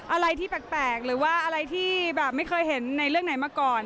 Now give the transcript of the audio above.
อะไรที่แปลกหรือว่าอะไรที่แบบไม่เคยเห็นในเรื่องไหนมาก่อน